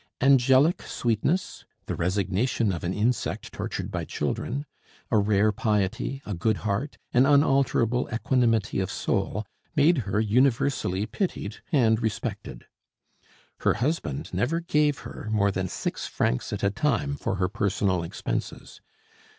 Angelic sweetness, the resignation of an insect tortured by children, a rare piety, a good heart, an unalterable equanimity of soul, made her universally pitied and respected. Her husband never gave her more than six francs at a time for her personal expenses.